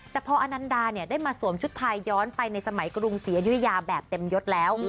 แต่พออนันดาเนี่ยได้มาสวมชุดไทยย้อนไปในสมัยกรุงศรีอยุธยาแบบเต็มยดแล้ว